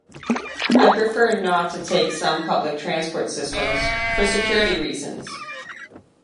I prefer not to take some public transport systems for security reasons.